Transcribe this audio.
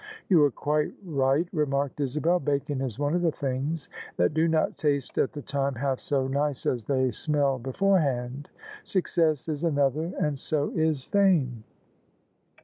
" ''You are quite right/' remarked Isabel: "bacon is one of the things that do not taste at the time half so nice as they smell beforehand : success is another and so is fame."